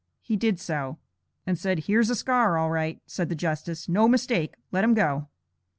He did so. and said 'here's a scar!' 'All right,' said the justice, 'no mistake, let him go.'